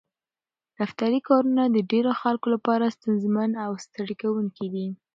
دفتري کارونه د ډېرو خلکو لپاره ستونزمن او ستړي کوونکي دي.